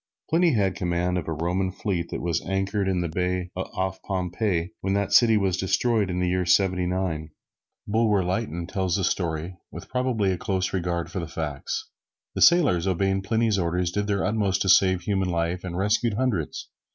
Pliny had command of the Roman fleet that was anchored in the bay off Pompeii, when that city was destroyed in the year Seventy nine. Bulwer Lytton tells the story, with probably a close regard for the facts. The sailors, obeying Pliny's orders, did their utmost to save human life, and rescued hundreds.